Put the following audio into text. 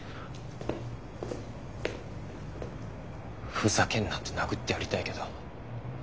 ふざけんなって殴ってやりたいけど。